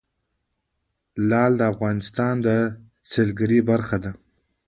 لعل د افغانستان د سیلګرۍ برخه ده.